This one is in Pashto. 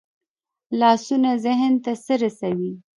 لاسونه ذهن ته څه رسوي